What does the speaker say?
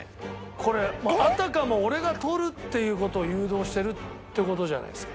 これあたかも俺が取るっていう事を誘導してるって事じゃないですか。